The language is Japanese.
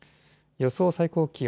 予想最高気温。